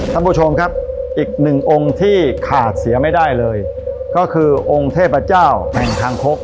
ท่านผู้ชมครับอีกหนึ่งองค์ที่ขาดเสียไม่ได้เลยก็คือองค์เทพเจ้าแห่งคางคก